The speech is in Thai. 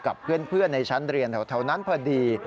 กับเพื่อนในชั้นเรียนแถวนั้นพอดี